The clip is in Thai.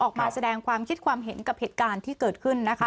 ออกมาแสดงความคิดความเห็นกับเหตุการณ์ที่เกิดขึ้นนะคะ